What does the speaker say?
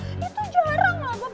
itu jarang lah bob